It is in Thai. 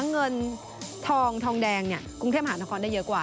เงินทองแดงกรุงเทพมหานครได้เยอะกว่า